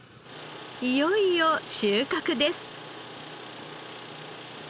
いよいよ収穫です。